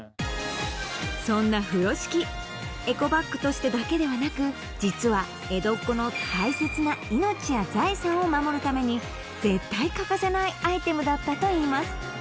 そんな風呂敷エコバッグとしてだけではなく実は江戸っ子の大切な命や財産を守るために絶対欠かせないアイテムだったといいます